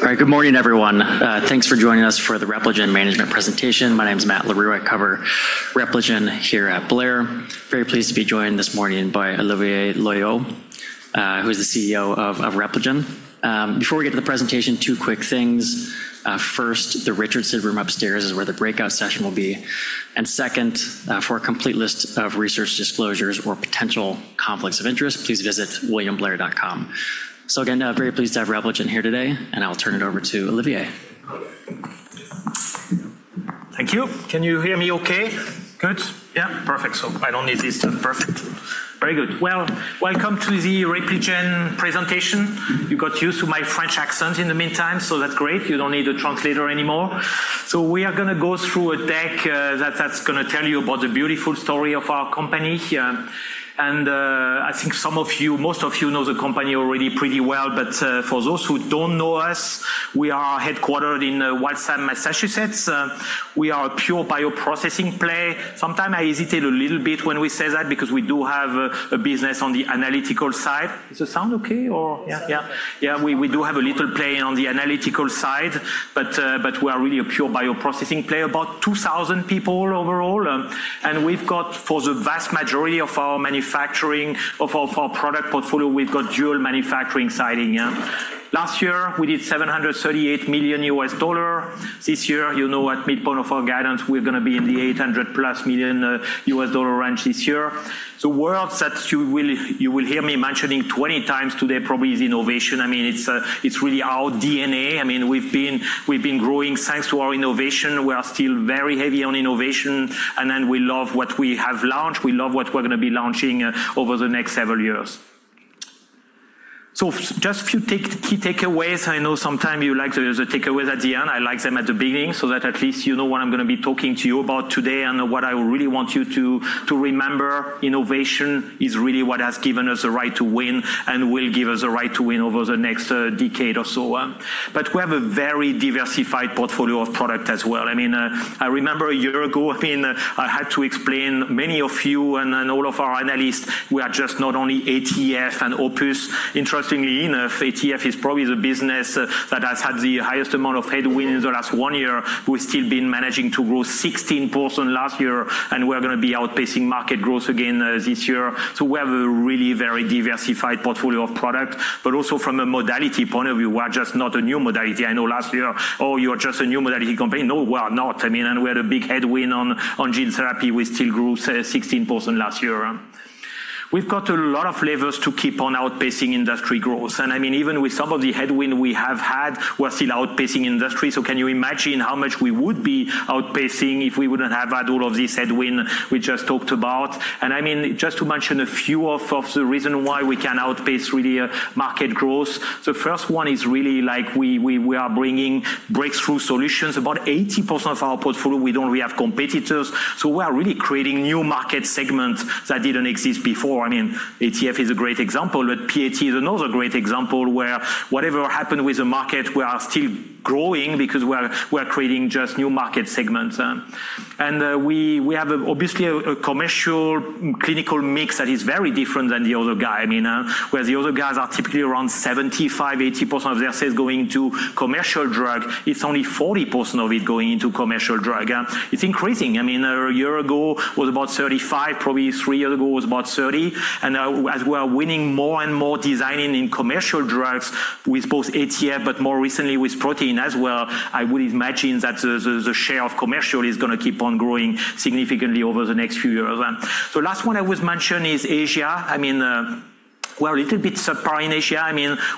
All right. Good morning, everyone. Thanks for joining us for the Repligen management presentation. My name's Matt Larew. I cover Repligen here at William Blair. Very pleased to be joined this morning by Olivier Loeillot, who is the CEO of Repligen. Before we get to the presentation, two quick things. First, the Richardson Room upstairs is where the breakout session will be. Second, for a complete list of research disclosures or potential conflicts of interest, please visit williamblair.com. Again, very pleased to have Repligen here today, and I'll turn it over to Olivier. Thank you. Can you hear me okay? Good. Yeah. Perfect. I don't need this. Perfect. Very good. Welcome to the Repligen presentation. You got used to my French accent in the meantime, so that's great. You don't need a translator anymore. We are going to go through a deck that's going to tell you about the beautiful story of our company here. I think most of you know the company already pretty well, but for those who don't know us, we are headquartered in Waltham, Massachusetts. We are a pure bioprocessing play. Sometimes I hesitate a little bit when we say that because we do have a business on the analytical side. Is the sound okay, or? Yeah. Yeah. We do have a little play on the analytical side, but we are really a pure bioprocessing play. About 2,000 people overall. We've got for the vast majority of our manufacturing of our product portfolio, we've got dual manufacturing siting, yeah. Last year, we did $738 million. This year, you know at midpoint of our guidance, we're going to be in the +$800 million range this year. The words that you will hear me mentioning 20x today probably is innovation. It's really our DNA. We've been growing thanks to our innovation. We are still very heavy on innovation, we love what we have launched. We love what we're going to be launching over the next several years. Just few key takeaways. I know sometimes you like the takeaways at the end. I like them at the beginning so that at least you know what I'm going to be talking to you about today and what I really want you to remember. Innovation is really what has given us the right to win and will give us the right to win over the next decade or so on. We have a very diversified portfolio of product as well. I remember a year ago, I had to explain many of you and then all of our analysts, we are just not only ATF and OPUS. Interestingly enough, ATF is probably the business that has had the highest amount of headwind in the last one year. We've still been managing to grow 16% last year, and we are going to be outpacing market growth again this year. We have a really very diversified portfolio of product, but also from a modality point of view, we are just not a new modality. I know last year, "Oh, you are just a new modality company." No, we are not. We had a big headwind on gene therapy. We still grew 16% last year. We've got a lot of levers to keep on outpacing industry growth. Even with some of the headwind we have had, we're still outpacing industry. Can you imagine how much we would be outpacing if we wouldn't have had all of this headwind we just talked about? Just to mention a few of the reason why we can outpace really market growth. First one is really we are bringing breakthrough solutions. About 80% of our portfolio, we don't really have competitors. We are really creating new market segments that didn't exist before. ATF is a great example, but PAT is another great example where whatever happened with the market, we are still growing because we're creating just new market segments. We have obviously a commercial clinical mix that is very different than the other guy. Where the other guys are typically around 75%, 80% of their sales going to commercial drug, it's only 40% of it going into commercial drug. It's increasing. A year ago was about 35%, probably three year ago was about 30%, and now as we're winning more and more designing in commercial drugs with both ATF but more recently with protein as well, I would imagine that the share of commercial is going to keep on growing significantly over the next few years. Last one I was mentioning is Asia. We're a little bit subpar in Asia.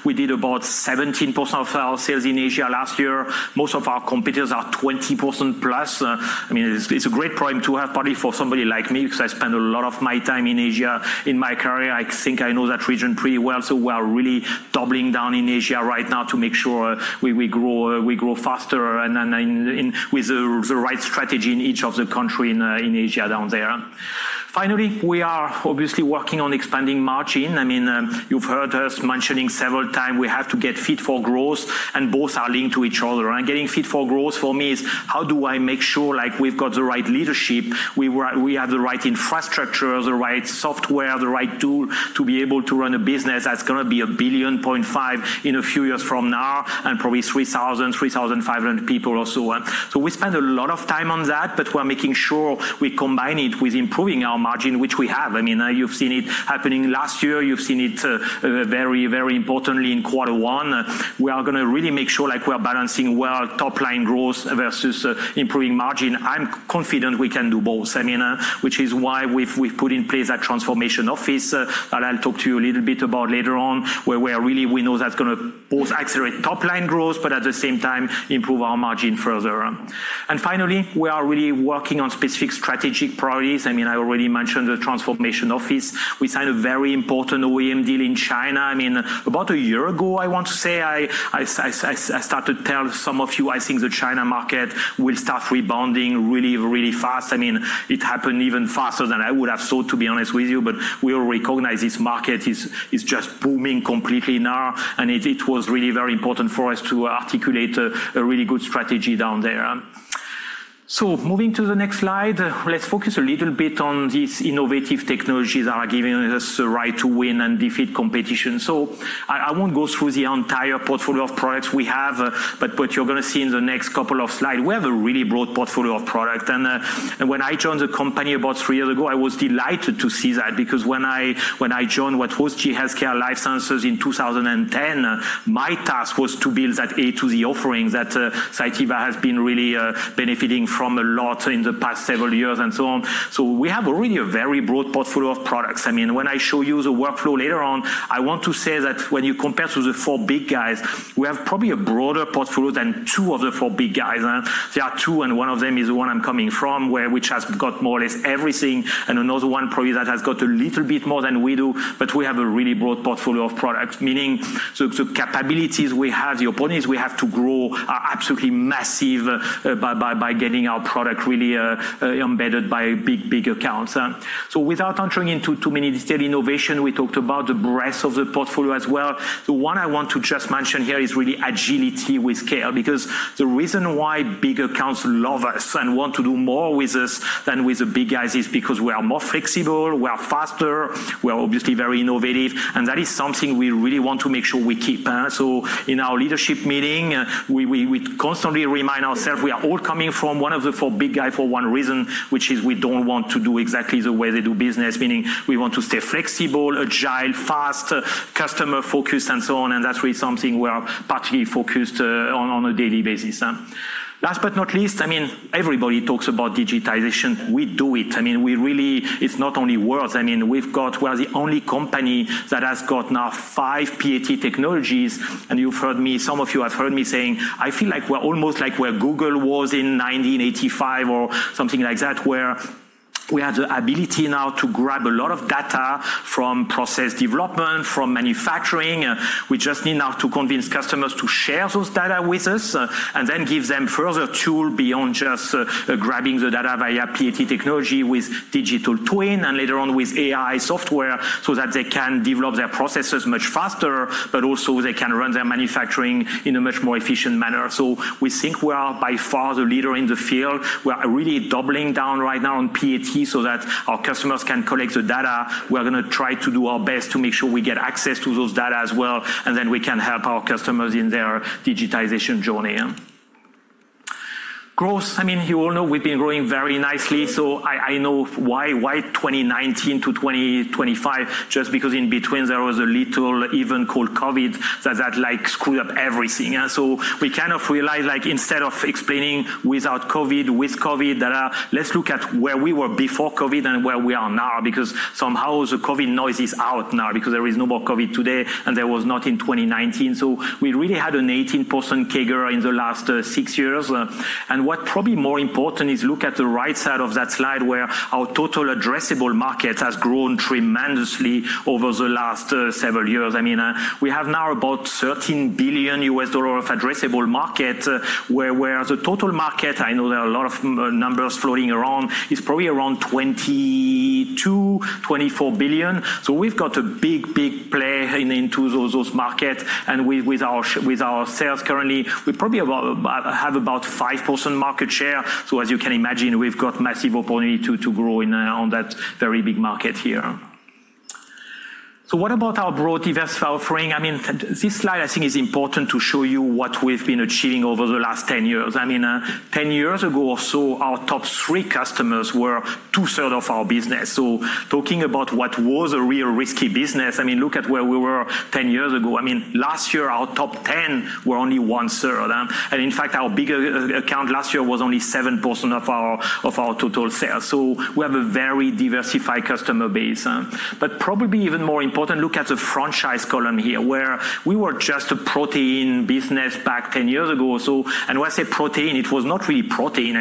We did about 17% of our sales in Asia last year. Most of our competitors are +20%. It's a great problem to have, probably for somebody like me, because I spend a lot of my time in Asia in my career. I think I know that region pretty well. We are really doubling down in Asia right now to make sure we grow faster and with the right strategy in each of the country in Asia down there. We are obviously working on expanding margin. You've heard us mentioning several times we have to get fit for growth, and both are linked to each other. Getting fit for growth for me is how do I make sure we've got the right leadership, we have the right infrastructure, the right software, the right tool to be able to run a business that's going to be $1.5 billion in a few years from now, and probably 3,000, 3,500 people or so on. We spend a lot of time on that, but we're making sure we combine it with improving our margin, which we have. You've seen it happening last year. You've seen it very importantly in Q1. We are going to really make sure we are balancing well top line growth versus improving margin. I'm confident we can do both, which is why we've put in place a Transformation Office that I'll talk to you a little bit about later on, where we are really we know that's going to both accelerate top line growth, but at the same time improve our margin further. Finally, we are really working on specific strategic priorities. I already mentioned the Transformation Office. We signed a very important OEM deal in China. About a year ago, I want to say, I started to tell some of you I think the China market will start rebounding really, really fast. It happened even faster than I would have thought, to be honest with you, but we all recognize this market is just booming completely now, and it was really very important for us to articulate a really good strategy down there. Moving to the next slide, let's focus a little bit on these innovative technologies that are giving us the right to win and defeat competition. I won't go through the entire portfolio of products we have, but what you're going to see in the next couple of slides, we have a really broad portfolio of product. When I joined the company about three years ago, I was delighted to see that because when I joined what was GE Healthcare Life Sciences in 2010, my task was to build that A-to-Z offering that Cytiva has been really benefiting from a lot in the past several years and so on. We have already a very broad portfolio of products. When I show you the workflow later on, I want to say that when you compare to the four big guys, we have probably a broader portfolio than two of the four big guys. There are two, and one of them is the one I'm coming from, which has got more or less everything, and another one probably that has got a little bit more than we do. We have a really broad portfolio of products, meaning the capabilities we have, the opportunities we have to grow are absolutely massive by getting our product really embedded by big accounts. Without entering into too many detail innovation, we talked about the breadth of the portfolio as well. The one I want to just mention here is really agility with care, because the reason why big accounts love us and want to do more with us than with the big guys is because we are more flexible, we are faster, we are obviously very innovative, and that is something we really want to make sure we keep. In our leadership meeting, we constantly remind ourselves we are all coming from one of the four big guy for one reason, which is we don't want to do exactly the way they do business, meaning we want to stay flexible, agile, fast, customer-focused and so on, and that's really something we are particularly focused on a daily basis. Last but not least, everybody talks about digitization. We do it. It's not only words. We're the only company that has got now five PAT technologies, and some of you have heard me saying, I feel like we're almost like where Google was in 1985 or something like that, where we have the ability now to grab a lot of data from process development, from manufacturing. We just need now to convince customers to share those data with us and then give them further tool beyond just grabbing the data via PAT technology with digital twin and later on with AI software so that they can develop their processes much faster, but also they can run their manufacturing in a much more efficient manner. We think we are by far the leader in the field. We are really doubling down right now on PAT so that our customers can collect the data. We are going to try to do our best to make sure we get access to those data as well, and then we can help our customers in their digitization journey. Growth. You all know we've been growing very nicely, I know why 2019-2025, just because in between there was a little event called COVID that screwed up everything. We kind of realized, instead of explaining without COVID, with COVID, let's look at where we were before COVID and where we are now, because somehow the COVID noise is out now because there is no more COVID today and there was not in 2019. We really had an 18% CAGR in the last six years. What probably more important is look at the right side of that slide where our total addressable market has grown tremendously over the last several years. We have now about $13 billion of addressable market, where the total market, I know there are a lot of numbers floating around, is probably around $22 billion-$24 billion. We've got a big play into those markets. With our sales currently, we probably have about 5% market share. As you can imagine, we've got massive opportunity to grow on that very big market here. What about our broad diverse offering? This slide I think is important to show you what we've been achieving over the last 10 years. 10 years ago or so, our top three customers were 2/3 of our business. Talking about what was a real risky business, look at where we were 10 years ago. Last year, our top 10 were only 1/3. In fact, our bigger account last year was only 7% of our total sales. We have a very diversified customer base. Probably even more important, look at the franchise column here, where we were just a protein business back 10 years ago or so. When I say protein, it was not really protein.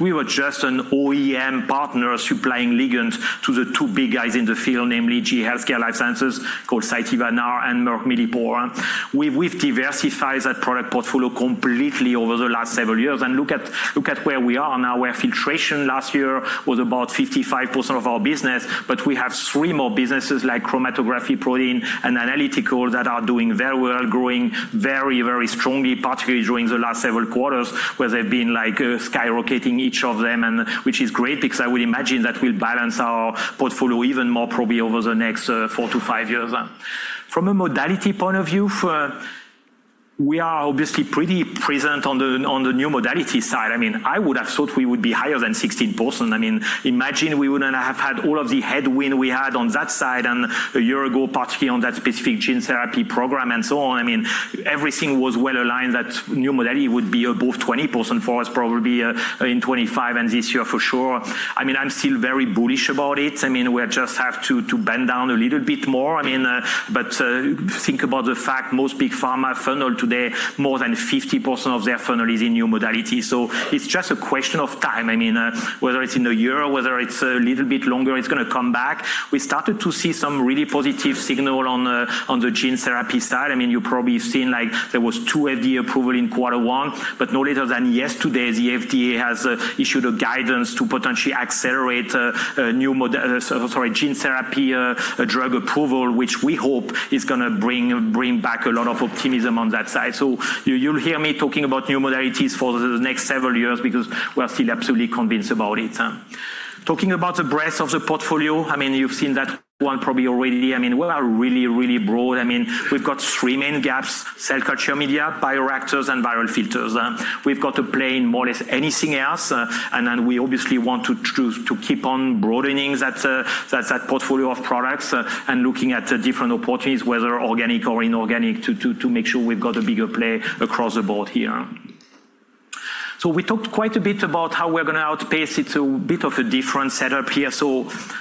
We were just an OEM partner supplying ligands to the two big guys in the field, namely GE Healthcare Life Sciences, called Cytiva now, and Merck Millipore. We've diversified that product portfolio completely over the last several years. Look at where we are now, where filtration last year was about 55% of our business, but we have three more businesses like chromatography, protein, and analytical that are doing very well, growing very strongly, particularly during the last several quarters, where they've been skyrocketing each of them, which is great because I would imagine that will balance our portfolio even more probably over the next four to five years. From a modality point of view, we are obviously pretty present on the new modality side. I would have thought we would be higher than 16%. Imagine we wouldn't have had all of the headwind we had on that side and a year ago, particularly on that specific gene therapy program and so on. Everything was well-aligned that new modality would be above 20% for us probably in 2025 and this year for sure. I'm still very bullish about it. We just have to bend down a little bit more. Think about the fact most big pharma funnel today, more than 50% of their funnel is in new modality. It's just a question of time. Whether it's in a year or whether it's a little bit longer, it's going to come back. We started to see some really positive signal on the gene therapy side. You've probably seen there was two FDA approval in Q1. No later than yesterday, the FDA has issued a guidance to potentially accelerate gene therapy drug approval, which we hope is going to bring back a lot of optimism on that side. You'll hear me talking about new modalities for the next several years because we are still absolutely convinced about it. Talking about the breadth of the portfolio, you've seen that one probably already. We are really broad. We've got three main gaps, cell culture media, bioreactors, and viral filters. We've got to play in more or less anything else. We obviously want to keep on broadening that portfolio of products and looking at the different opportunities, whether organic or inorganic, to make sure we've got a bigger play across the board here. We talked quite a bit about how we're going to outpace. It's a bit of a different setup here.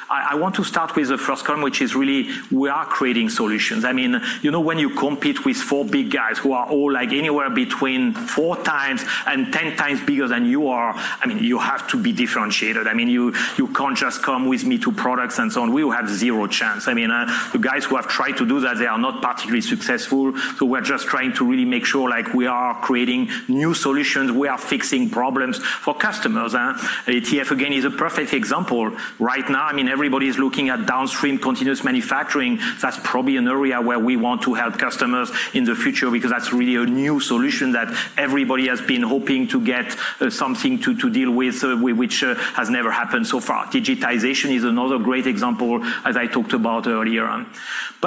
I want to start with the first column, which is really we are creating solutions. When you compete with four big guys who are all anywhere between 4x and 10x bigger than you are, you have to be differentiated. You can't just come with me to products and so on. We will have zero chance. The guys who have tried to do that, they are not particularly successful. We're just trying to really make sure we are creating new solutions, we are fixing problems for customers. ATF, again, is a perfect example. Right now, everybody's looking at downstream continuous manufacturing. That's probably an area where we want to help customers in the future because that's really a new solution that everybody has been hoping to get something to deal with, which has never happened so far. Digitization is another great example, as I talked about earlier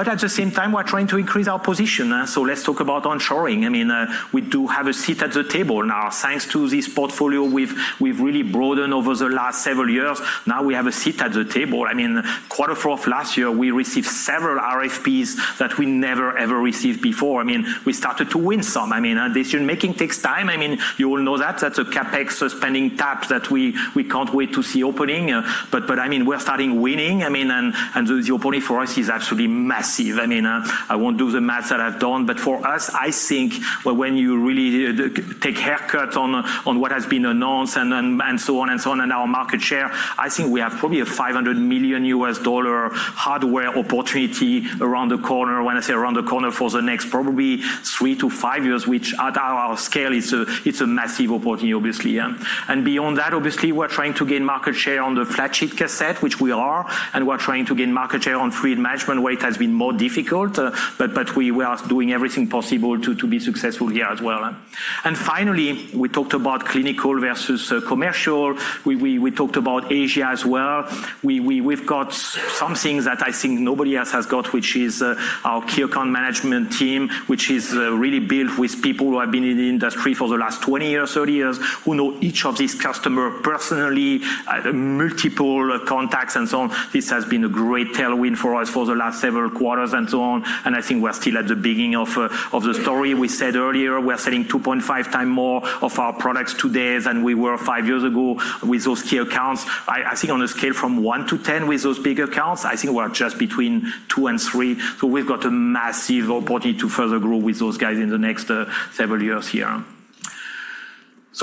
on. At the same time, we're trying to increase our position. Let's talk about onshoring. We do have a seat at the table now. Thanks to this portfolio we've really broadened over the last several years, now we have a seat at the table. Q4 of last year, we received several RFPs that we never ever received before. We started to win some. Decision-making takes time. You all know that. That's a CapEx spending tap that we can't wait to see opening, but we're starting winning, and the opportunity for us is absolutely massive. I won't do the math that I've done, but for us, I think when you really take haircut on what has been announced and so on and our market share, I think we have probably a $500 million hardware opportunity around the corner. When I say around the corner, for the next probably three to five years, which at our scale, it's a massive opportunity, obviously. Beyond that, obviously, we're trying to gain market share on the flat sheet cassette, which we are, and we're trying to gain market share on fluid management where it has been more difficult, but we are doing everything possible to be successful here as well. Finally, we talked about clinical versus commercial. We talked about Asia as well. We've got something that I think nobody else has got, which is our key account management team, which is really built with people who have been in the industry for the last 20 years, 30 years, who know each of these customer personally, multiple contacts and so on. This has been a great tailwind for us for the last several quarters and so on, and I think we're still at the beginning of the story. We said earlier we are selling 2.5x more of our products today than we were five years ago with those key accounts. I think on a scale from 1 to 10 with those big accounts, I think we're just between two and three, so we've got a massive opportunity to further grow with those guys in the next several years here.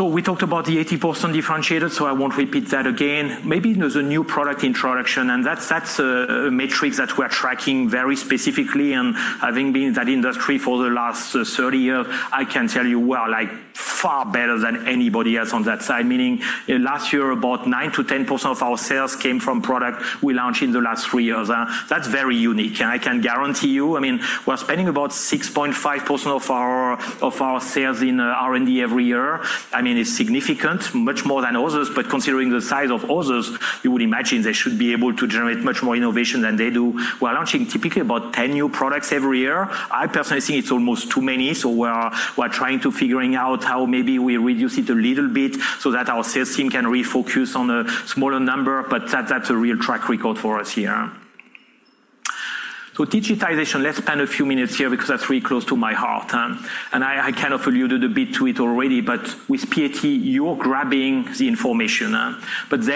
We talked about the 80% differentiator, so I won't repeat that again. Maybe there's a new product introduction, that's a matrix that we're tracking very specifically. Having been in that industry for the last 30 years, I can tell you we are far better than anybody else on that side. Meaning last year, about nine to 10% of our sales came from product we launched in the last three years. That's very unique. I can guarantee you, we're spending about 6.5% of our sales in R&D every year. It's significant, much more than others, but considering the size of others, you would imagine they should be able to generate much more innovation than they do. We're launching typically about 10 new products every year. I personally think it's almost too many, so we're trying to figuring out how maybe we reduce it a little bit so that our sales team can refocus on a smaller number, that's a real track record for us here. Digitization, let's spend a few minutes here because that's really close to my heart. I kind of alluded a bit to it already, but with PAT, you're grabbing the information.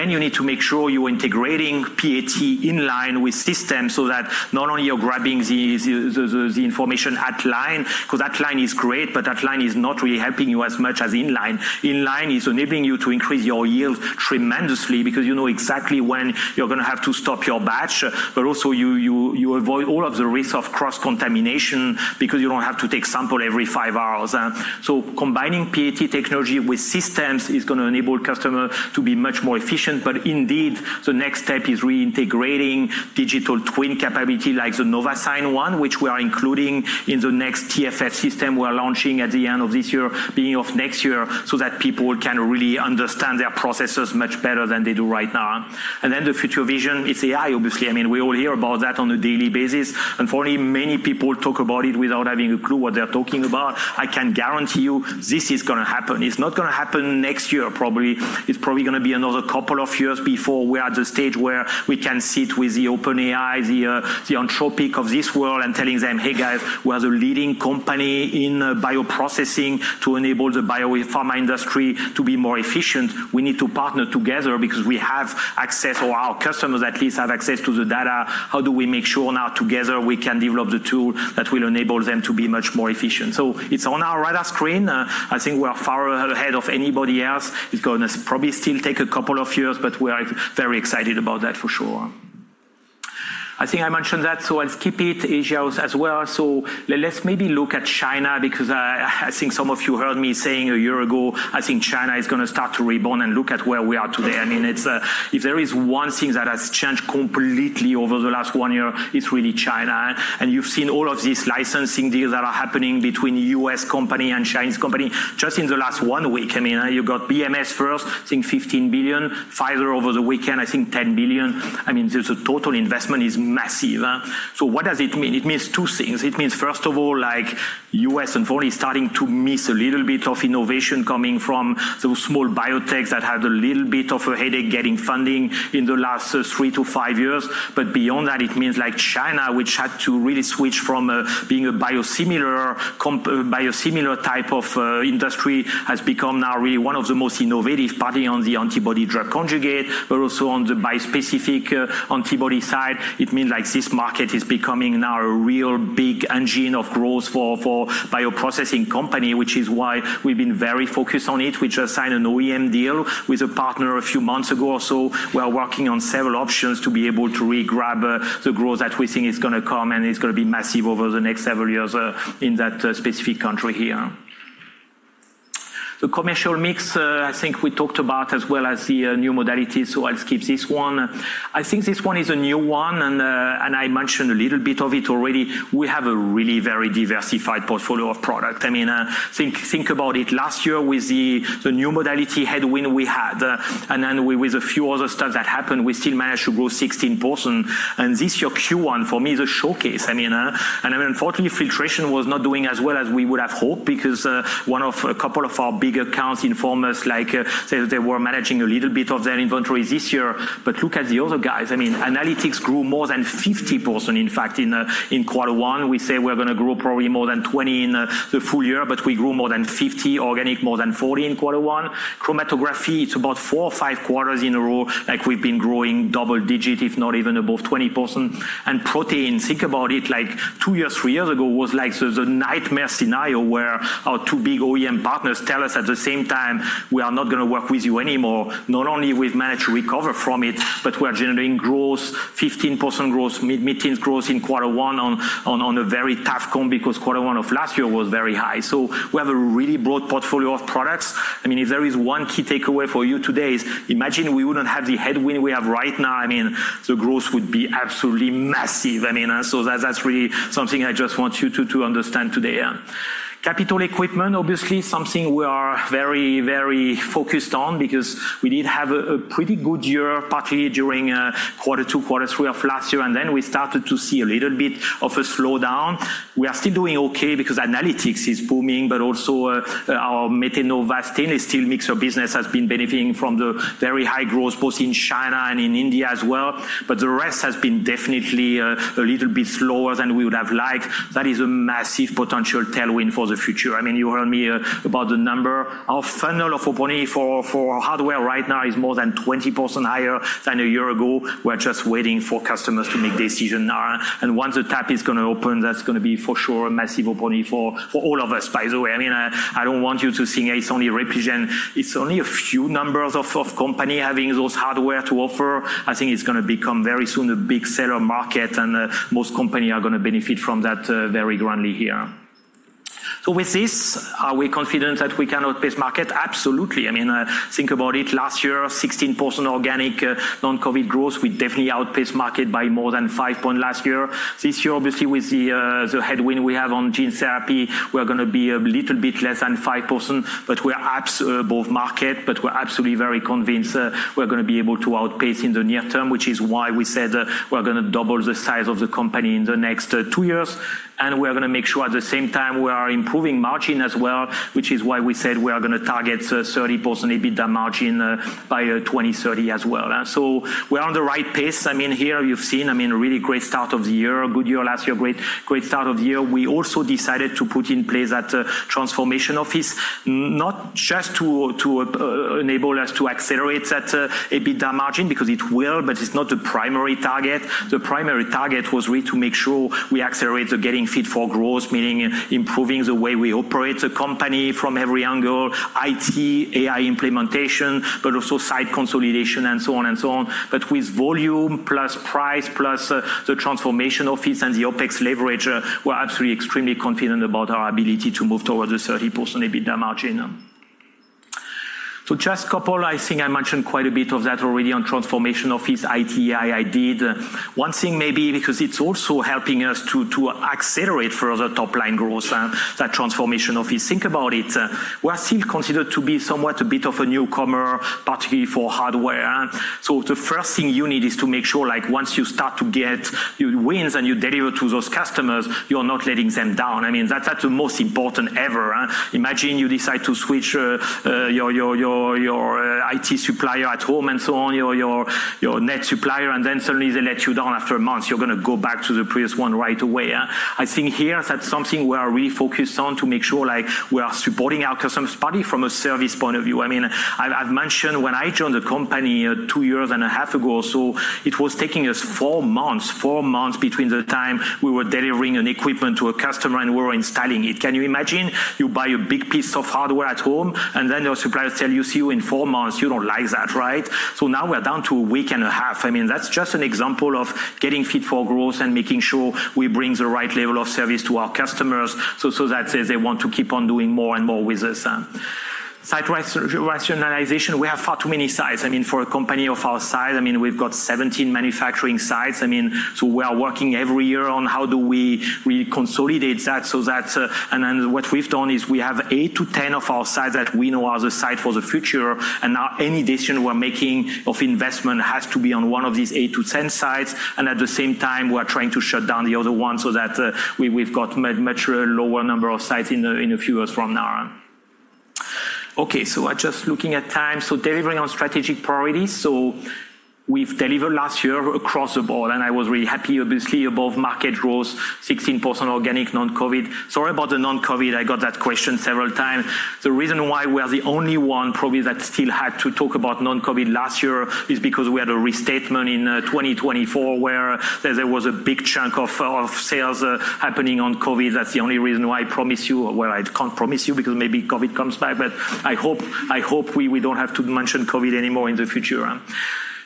You need to make sure you're integrating PAT in line with systems so that not only you're grabbing the information at line, because at line is great, but at line is not really helping you as much as in line. In line is enabling you to increase your yield tremendously because you know exactly when you're going to have to stop your batch, but also you avoid all of the risk of cross-contamination because you don't have to take sample every five hours. Combining PAT technology with systems is going to enable customer to be much more efficient. Indeed, the next step is reintegrating digital twin capability like the Novasign one, which we are including in the next TFF system we are launching at the end of this year, beginning of next year, so that people can really understand their processes much better than they do right now. The future vision, it's AI, obviously. We all hear about that on a daily basis. Unfortunately, many people talk about it without having a clue what they're talking about. I can guarantee you this is going to happen. It's not going to happen next year probably. It's probably going to be another couple of years before we're at the stage where we can sit with the OpenAI, the Anthropic of this world and telling them, "Hey, guys, we're the leading company in bioprocessing to enable the biopharma industry to be more efficient. We need to partner together because we have access, or our customers at least have access to the data. How do we make sure now together we can develop the tool that will enable them to be much more efficient?" It's on our radar screen. I think we are far ahead of anybody else. It's going to probably still take a couple of years, but we are very excited about that for sure. I think I mentioned that, so I'll skip it. Asia as well. Let's maybe look at China, because I think some of you heard me saying a year ago, I think China is going to start to rebound and look at where we are today. If there is one thing that has changed completely over the last one year, it's really China. You've seen all of these licensing deals that are happening between U.S. company and Chinese company just in the last one week. You got BMS first, I think $15 billion. Pfizer over the weekend, I think $10 billion. The total investment is massive. What does it mean? It means two things. It means, first of all, U.S. and foreign is starting to miss a little bit of innovation coming from those small biotechs that had a little bit of a headache getting funding in the last three to five years. Beyond that, it means China, which had to really switch from being a biosimilar type of industry, has become now really one of the most innovative party on the antibody drug conjugate, but also on the bispecific antibody side. It means this market is becoming now a real big engine of growth for bioprocessing company, which is why we've been very focused on it. We just signed an OEM deal with a partner a few months ago or so. We are working on several options to be able to re-grab the growth that we think is going to come, and it's going to be massive over the next several years in that specific country here. The commercial mix, I think we talked about as well as the new modalities, I'll skip this one. I think this one is a new one, and I mentioned a little bit of it already. We have a really very diversified portfolio of product. Think about it. Last year with the new modality headwind we had, and then with a few other stuff that happened, we still managed to grow 16%. This year Q1 for me is a showcase. Unfortunately, filtration was not doing as well as we would have hoped because a couple of our big accounts informed us, like they were managing a little bit of their inventories this year. Look at the other guys. Analytics grew more than 50%, in fact, in Q1. We say we're going to grow probably more than 20 in the full year, but we grew more than 50 organic, more than 40 in Q1. Chromatography, it's about four or five quarters in a row, like we've been growing double digit, if not even above 20%. Protein, think about it like two years, three years ago, was like the nightmare scenario where our two big OEM partners tell us at the same time, "We are not going to work with you anymore." Not only we've managed to recover from it, but we are generating growth, 15% growth, mid-teen growth in Q1 on a very tough comp because Q1 of last year was very high. We have a really broad portfolio of products. If there is one key takeaway for you today is imagine we wouldn't have the headwind we have right now. The growth would be absolutely massive. That's really something I just want you to understand today. Capital equipment, obviously something we are very focused on because we did have a pretty good year, particularly during Q2, Q3 of last year. Then we started to see a little bit of a slowdown. We are still doing okay because analytics is booming, but also our Metenova stainless steel mixer business has been benefiting from the very high growth both in China and in India as well. The rest has been definitely a little bit slower than we would have liked. That is a massive potential tailwind for the future. You heard me about the number. Our funnel of opportunity for hardware right now is more than 20% higher than a year ago. We're just waiting for customers to make decision now. Once the tap is going to open, that's going to be for sure a massive opportunity for all of us, by the way. I don't want you to think it's only Repligen. It's only a few numbers of company having those hardware to offer. I think it's going to become very soon a big seller market, and most company are going to benefit from that very greatly here. With this, are we confident that we can outpace market? Absolutely. Think about it. Last year, 16% organic non-COVID growth. We definitely outpaced market by more than five point last year. This year, obviously, with the headwind we have on gene therapy, we're going to be a little bit less than 5%, but we are above market, but we're absolutely very convinced we're going to be able to outpace in the near term, which is why we said we're going to double the size of the company in the next two years. We are going to make sure at the same time we are improving margin as well, which is why we said we are going to target 30% EBITDA margin by 2030 as well. We are on the right pace. Here you've seen a really great start of the year. A good year last year. Great start of the year. We also decided to put in place that transformation office, not just to enable us to accelerate that EBITDA margin, because it will, but it's not the primary target. The primary target was really to make sure we accelerate the getting fit for growth, meaning improving the way we operate the company from every angle, IT, AI implementation, but also site consolidation and so on. With volume plus price, plus the transformation office and the OpEx leverage, we're absolutely extremely confident about our ability to move towards the 30% EBITDA margin. Just a couple, I think I mentioned quite a bit of that already on transformation office IT, I did. One thing maybe because it's also helping us to accelerate further top-line growth, that transformation office. Think about it. We are still considered to be somewhat a bit of a newcomer, particularly for hardware. The first thing you need is to make sure once you start to get your wins and you deliver to those customers, you're not letting them down. That's the most important ever. Imagine you decide to switch your IT supplier at home and so on, your net supplier, and then suddenly they let you down after a month. You're going to go back to the previous one right away. I think here that's something we are really focused on to make sure we are supporting our customers, particularly from a service point of view. I've mentioned when I joined the company two years and a half ago or so, it was taking us four months between the time we were delivering an equipment to a customer and we were installing it. Can you imagine? You buy a big piece of hardware at home, and then your suppliers tell you, "See you in four months." You don't like that, right? Now we're down to a week and a half. That's just an example of getting fit for growth and making sure we bring the right level of service to our customers so that they want to keep on doing more and more with us. Site rationalization, we have far too many sites. For a company of our size, we've got 17 manufacturing sites. We are working every year on how do we consolidate that. What we've done is we have 8-10 of our sites that we know are the site for the future, and now any decision we're making of investment has to be on one of these 8-10 sites, and at the same time, we are trying to shut down the other ones so that we've got much lower number of sites in a few years from now on. Just looking at time. Delivering on strategic priorities. We've delivered last year across the board, and I was really happy. Obviously, above-market growth, 16% organic, non-COVID. Sorry about the non-COVID. I got that question several times. The reason why we are the only one probably that still had to talk about non-COVID last year is because we had a restatement in 2024 where there was a big chunk of sales happening on COVID. That's the only reason why I promise you, or, well, I can't promise you because maybe COVID comes back, but I hope we don't have to mention COVID anymore in the future.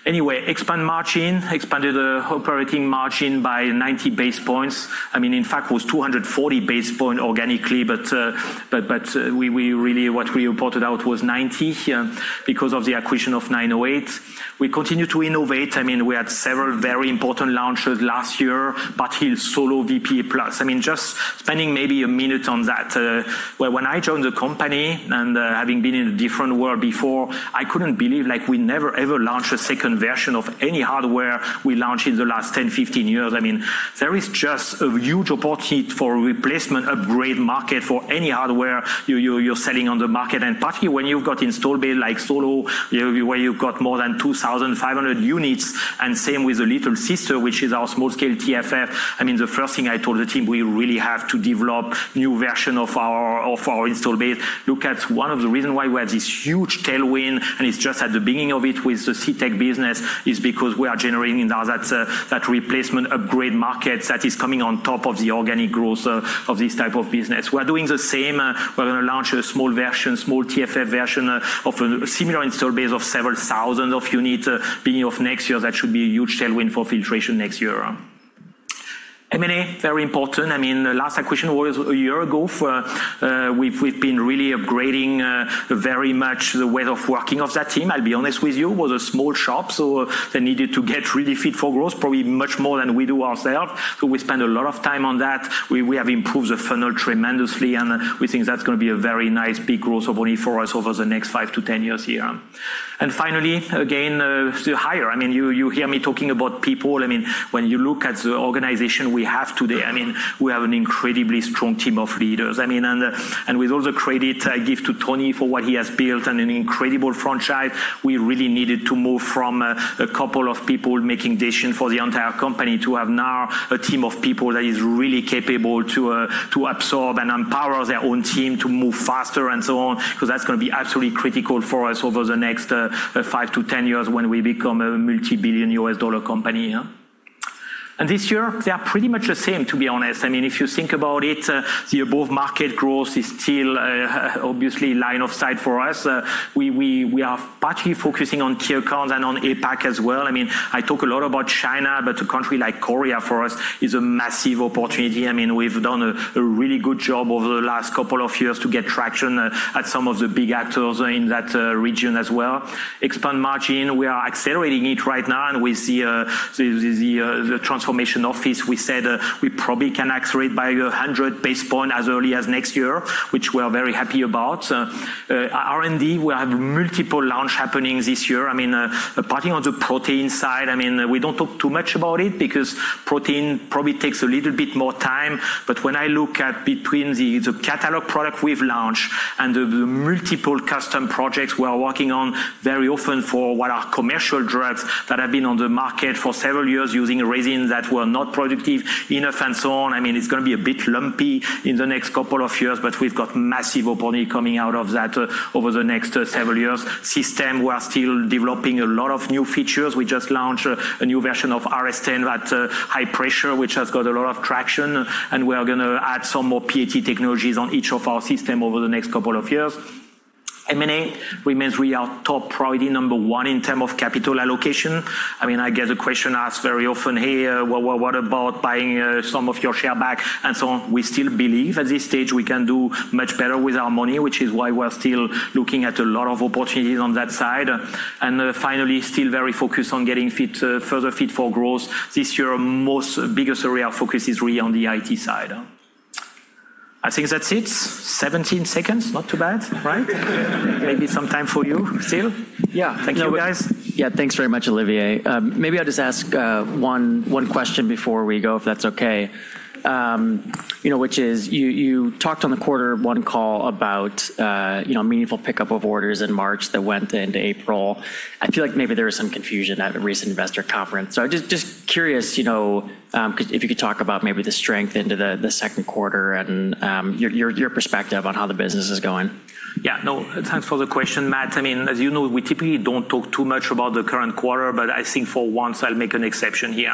Expand margin. Expanded the operating margin by 90 basis points. It was 240 basis points organically, but really, what we reported out was 90 because of the acquisition of 908. We continue to innovate. We had several very important launches last year. PATsmart SoloVPE PLUS. Just spending maybe a minute on that. When I joined the company and having been in a different world before, I couldn't believe, like, we never, ever launched a second version of any hardware we launched in the last 10, 15 years. There is just a huge opportunity for replacement, upgrade market for any hardware you're selling on the market. Particularly when you've got installed base like Solo, where you've got more than 2,500 units, same with the little sister, which is our small-scale TFF. The first thing I told the team, we really have to develop new version of our installed base. Look at one of the reasons why we have this huge tailwind, it's just at the beginning of it with the CTech business, is because we are generating now that replacement upgrade market that is coming on top of the organic growth of this type of business. We are doing the same. We're going to launch a small version, small TFF version of a similar install base of several thousand of units beginning of next year. That should be a huge tailwind for filtration next year. M&A, very important. The last acquisition was one year ago. We've been really upgrading very much the way of working of that team. I'll be honest with you, it was a small shop, so they needed to get really fit for growth, probably much more than we do ourselves. We spent a lot of time on that. We have improved the funnel tremendously, and we think that's going to be a very nice, big growth opportunity for us over the next 5-10 years here. Finally, again, still hire. You hear me talking about people. When you look at the organization we have today, we have an incredibly strong team of leaders. With all the credit I give to Tony for what he has built and an incredible franchise, we really needed to move from a couple of people making decisions for the entire company to have now a team of people that is really capable to absorb and empower their own team to move faster and so on, because that's going to be absolutely critical for us over the next 5-10 years when we become a multi-billion U.S. dollar company. This year, they are pretty much the same, to be honest. If you think about it, the above-market growth is still obviously line of sight for us. We are partly focusing on tier accounts and on APAC as well. I talk a lot about China, but a country like Korea for us is a massive opportunity. We've done a really good job over the last couple of years to get traction at some of the big actors in that region as well. Expand margin, we are accelerating it right now, with the transformation office, we said we probably can accelerate by 100 basis points as early as next year, which we are very happy about. R&D, we have multiple launch happening this year. Particularly on the protein side, we don't talk too much about it because protein probably takes a little bit more time. When I look at between the catalog product we've launched and the multiple custom projects we are working on very often for what are commercial drugs that have been on the market for several years using resins that were not productive enough and so on. It's going to be a bit lumpy in the next couple of years, but we've got massive opportunity coming out of that over the next several years. System, we are still developing a lot of new features. We just launched a new version of RS10 that high pressure, which has got a lot of traction, and we are going to add some more PAT technologies on each of our system over the next couple of years. M&A remains really our top priority, number one in terms of capital allocation. I get the question asked very often here, "Well, what about buying some of your share back?" We still believe at this stage we can do much better with our money, which is why we are still looking at a lot of opportunities on that side. Finally, still very focused on getting further fit for growth. This year, our most biggest area of focus is really on the IT side. I think that's it. 17 seconds, not too bad, right? Maybe some time for you still. Yeah. Thank you, guys. Yeah. Thanks very much, Olivier. Maybe I'll just ask one question before we go, if that's okay. Which is, you talked on the Q1 call about meaningful pickup of orders in March that went into April. I feel like maybe there was some confusion at a recent investor conference. Just curious if you could talk about maybe the strength into the second quarter and your perspective on how the business is going. Thanks for the question, Matt. As you know, we typically don't talk too much about the current quarter. I think for once I'll make an exception here.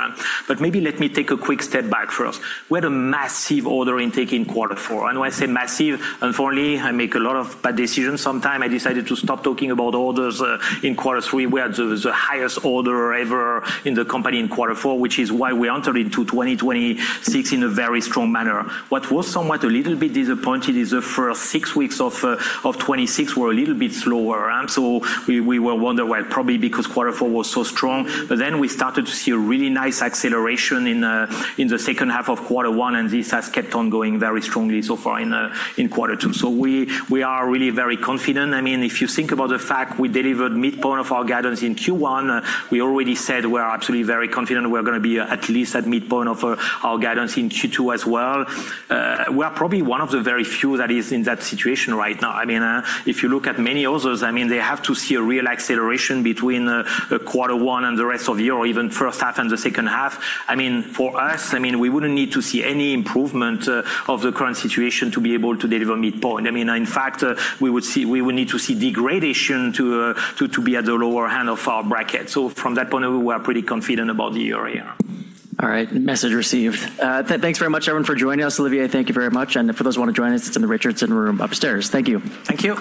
Maybe let me take a quick step back first. We had a massive order intake in Q4. When I say massive, unfortunately, I make a lot of bad decisions sometimes. I decided to stop talking about orders in Q3. We had the highest order ever in the company in Q4, which is why we entered into 2026 in a very strong manner. What was somewhat a little bit disappointing is the first six weeks of 2026 were a little bit slower. We were wondering why, probably because Q4 was so strong. We started to see a really nice acceleration in the second half of Q1, and this has kept on going very strongly so far in Q2. We are really very confident. If you think about the fact we delivered midpoint of our guidance in Q1, we already said we are absolutely very confident we're going to be at least at midpoint of our guidance in Q2 as well. We are probably one of the very few that is in that situation right now. If you look at many others, they have to see a real acceleration between Q1 and the rest of the year, or even first half and the second half. For us, we wouldn't need to see any improvement of the current situation to be able to deliver midpoint. In fact, we would need to see degradation to be at the lower hand of our bracket. From that point of view, we are pretty confident about the year. All right. Message received. Thanks very much, everyone, for joining us. Olivier, thank you very much. For those who want to join us, it's in the Richardson Room upstairs. Thank you. Thank you.